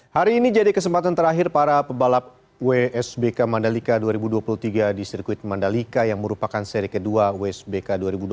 hari ini jadi kesempatan terakhir para pebalap wsbk mandalika dua ribu dua puluh tiga di sirkuit mandalika yang merupakan seri kedua wsbk dua ribu dua puluh